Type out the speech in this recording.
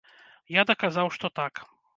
Я даказаў, што так.